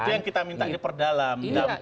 itu yang kita minta diperdalam